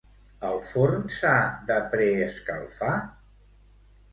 El forn s'ha de preescalfar?